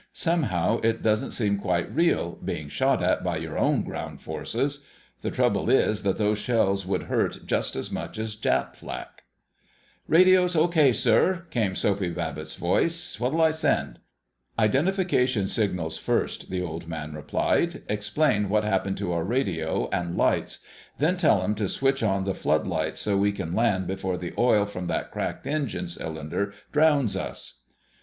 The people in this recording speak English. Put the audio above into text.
"Somehow it doesn't seem quite real, being shot at by your own ground forces. The trouble is that those shells would hurt just as much as Jap flak." [Illustration: "Radio's Okay, Sir!" Came Soapy Babbitt's Voice] "Radio's okay, sir!" came Soapy Babbitt's voice. "What'll I send?" "Identification signals first," the Old Man replied. "Explain what happened to our radio and lights. Then tell 'em to switch on the floodlights, so we can land before the oil from that cracked engine cylinder drowns us."